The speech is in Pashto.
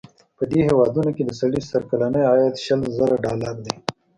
په دې هېوادونو کې د سړي سر کلنی عاید شل زره ډالره دی.